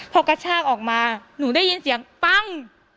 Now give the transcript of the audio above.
พอกระชากออกมาหนูได้ยินเสียงปั้ง